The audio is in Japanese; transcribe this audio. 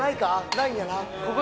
ないんやな？